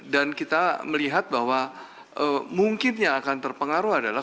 dan kita melihat bahwa mungkin yang akan terpengaruh adalah